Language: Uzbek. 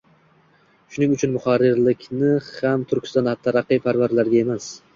Shuning uchun muharrirlikni ham Turkiston taraqqiyparvarlarga emas